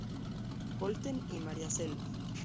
Pölten y Mariazell.